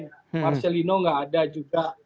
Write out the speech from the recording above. marcelino nggak ada juga